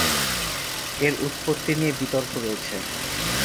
এর উৎপত্তি নিয়ে বিতর্ক রয়েছে।